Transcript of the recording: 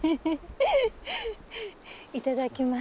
いただきます。